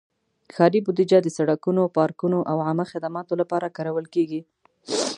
ښاري بودیجه د سړکونو، پارکونو، او عامه خدماتو لپاره کارول کېږي.